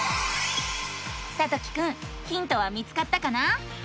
さときくんヒントは見つかったかな？